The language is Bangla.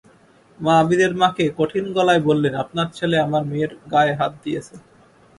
মা আবীরের মাকে কঠিন গলায় বললেন, আপনার ছেলে আমার মেয়ের গায়ে হাত দিয়েছে।